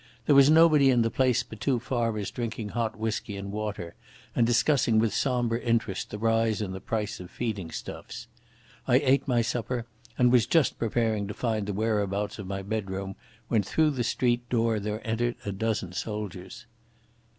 There was nobody in the place but two farmers drinking hot whisky and water and discussing with sombre interest the rise in the price of feeding stuffs. I ate my supper, and was just preparing to find the whereabouts of my bedroom when through the street door there entered a dozen soldiers.